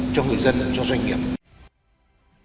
cho người dân và doanh nghiệp